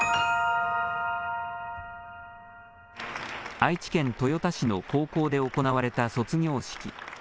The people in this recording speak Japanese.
愛知県豊田市の高校で行われた卒業式。